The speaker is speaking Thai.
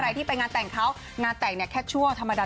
ใครที่ไปงานแต่งเขางานแต่งแค่ชั่วธรรมดา